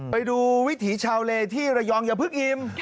ไปดูวิถีชาวเลที่ระยองอย่าเพิ่งอิ่ม